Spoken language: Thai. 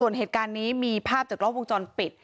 ส่วนเหตุการณ์นี้มีภาพจากกล้องวงจรปิด